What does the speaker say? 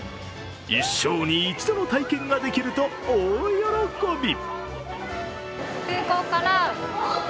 一生に一度の体験ができると大喜び。